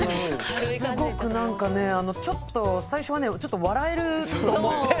すごくなんかねちょっと最初はねちょっと笑えると思って。